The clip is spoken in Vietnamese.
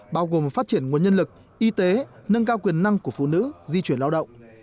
bao gồm phát triển nguồn nhân lực y tế nâng cao quyền năng của phụ nữ di chuyển lao động